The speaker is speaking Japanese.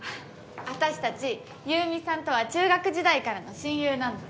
私たち優美さんとは中学時代からの親友なんです。